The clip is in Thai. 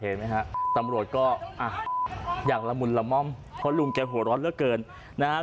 เห็นไหมฮะเห็นไหมฮะตำรวจก็อ่ะอย่างละมุนละม่อมเพราะลุงแกโหลดเยอะเกินนะครับ